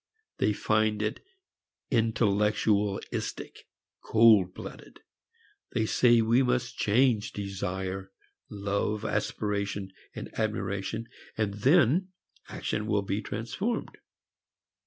They find it intellectualistic, cold blooded. They say we must change desire, love, aspiration, admiration, and then action will be transformed.